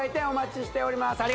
お待ちしております